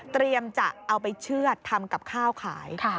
จะเอาไปเชื่อดทำกับข้าวขาย